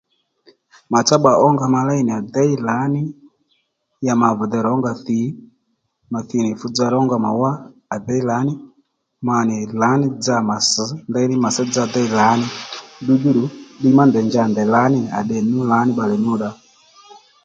Màtsá bba ónga ma léy nì à déy lǎní ya ma vìdey rǒnga thǐy ma thi nì fú dza rónga mà wá à déy lǎnì ma nì lǎní dza mà sš ndeyní màtsá dza déy lǎní dddudjú ddù ddiy má ndèy njanì ndèy lǎní ní nì à tdè nì nú lǎní bbalè nyú djú